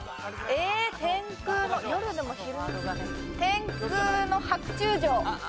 天空の白昼城。